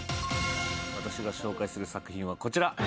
私が紹介するホラー作品はこちら。